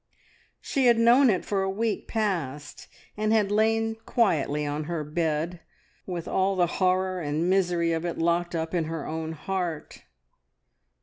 She had known it for a week past, and had lain quietly on her bed with all the horror and misery of it locked up in her own heart.